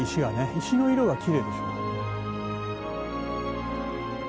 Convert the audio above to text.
石の色がきれいでしょ。